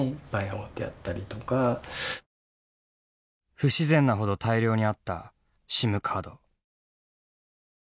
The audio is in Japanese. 不自然なほど大量にあったＳＩＭカード。